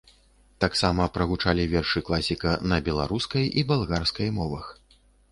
Таксама прагучалі вершы класіка на беларускай і балгарскай мовах.